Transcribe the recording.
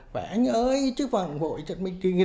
phải anh ơi chứ hoàng hội thì phải anh ơi chứ hoàng hội